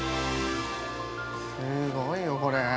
◆すごいよ、これ。